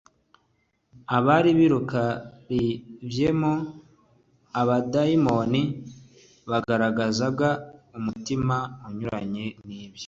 Abari birukariyvemo abadayimoni bagaragazaga umutima unyuranye n'ibyo.